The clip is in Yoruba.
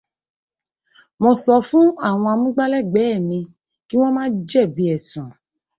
Mo sọ fún àwọn amúgbálẹ́gbẹ̀ẹ́ mi kí wọ́n má jẹ̀bi ẹ̀ṣùn